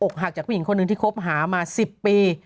หักจากผู้หญิงคนหนึ่งที่คบหามา๑๐ปี